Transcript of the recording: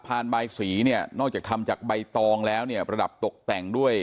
บายสีเนี่ยนอกจากทำจากใบตองแล้วเนี่ยประดับตกแต่งด้วย